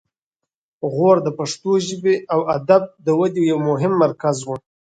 غور د پښتو ژبې او ادب د ودې یو مهم مرکز و